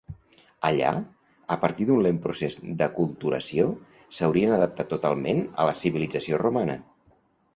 Allà, a partir d’un lent procés d’aculturació, s’haurien adaptat totalment a la civilització romana.